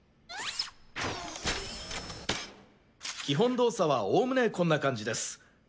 基本動作はおおむねこんな感じです。